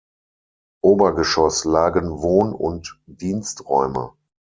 Obergeschoss lagen Wohn- und Diensträume.